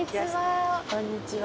こんにちは。